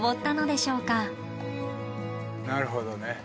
なるほどね。